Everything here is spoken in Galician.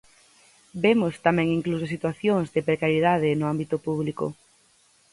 Vemos tamén incluso situacións de precariedade no ámbito público.